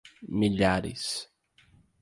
Milhares